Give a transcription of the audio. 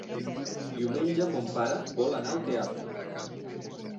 Diumenge mon pare vol anar al teatre.